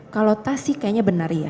kalau tas sih kayaknya benar ya